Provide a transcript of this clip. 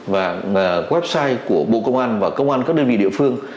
và website của bộ công an và công an các đơn vị địa phương